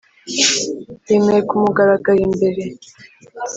yemeye ku mugaragaro imbere